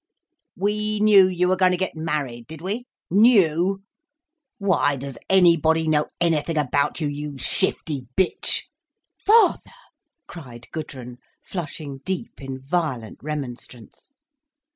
"We knew you were going to get married, did we? Knew! Why, does anybody know anything about you, you shifty bitch!" "Father!" cried Gudrun, flushing deep in violent remonstrance.